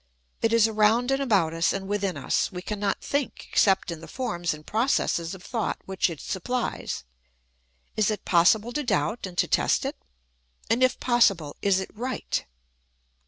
It is around and about us and within us ; we cannot think except in the forms and processes of thought which it supphes. Is it pos sible to doubt and to test it? and if possible, is it right